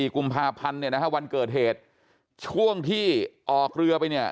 ๒๔กุมภาพันธ์วันเกิดเหตุช่วงที่ออกเรือไปเนี่ย